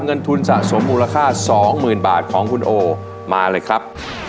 เงินทุนสะสมมูลค่า๒๐๐๐บาทของคุณโอมาเลยครับ